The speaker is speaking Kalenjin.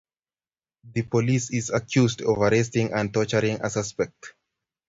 The police is accused of arresting and torturing a suspect.